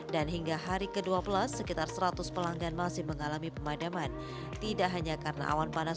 dan hingga hari ke dua belas sekitar seratus pelanggan masih mengalami pemadaman tidak hanya karena awan panas